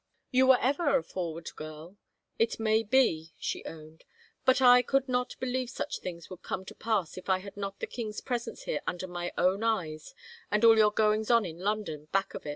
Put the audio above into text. " You were ever a f roward girl — it may be," she owned, " but I could not believe such things would come to pass if I had not the king's presence here under my own eyes and all your goings on in London back of it.